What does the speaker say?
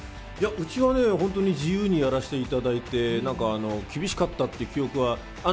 うちは本当に自由にやらせていただいて、厳しかったという記憶は。